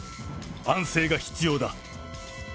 安静が必要だ。